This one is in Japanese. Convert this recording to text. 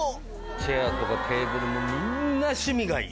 チェアとかテーブルもみんな趣味がいい。